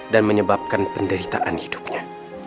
dan menyebabkan penderitaan hidupnya